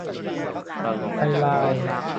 ไทยลาว